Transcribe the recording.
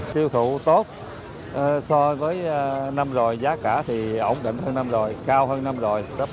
tiêu thụ tốt so với năm rồi giá cả thì ổn định hơn năm rồi cao hơn năm rồi rất đôi bán cũng tốt